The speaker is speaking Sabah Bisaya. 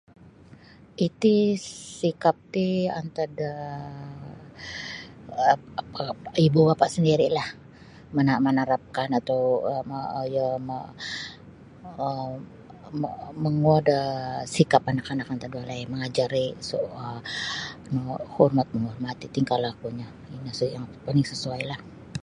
Iti sikap ti antad da um ibu bapa sandiri'lah mana' manarapkan atau mo iyo mo um mo manguo da sikap anak-anak antad da walai um mangajari su' um hormat manghormati' tingkah lakunyo ino paling sasuailah.